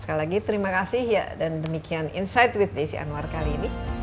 sekali lagi terima kasih ya dan demikian insight with desi anwar kali ini